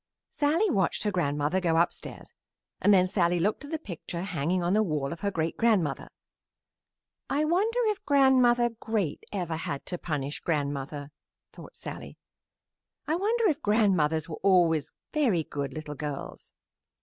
Sallie watched her grandmother go upstairs and then Sallie looked at the picture hanging on the wall of her great grandmother. "I wonder if Grandmother Great ever had to punish grandmother," thought Sallie. "I wonder if grandmothers were always very good little girls?"